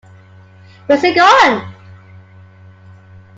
Where's he gone?